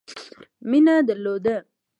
مینه درلوده.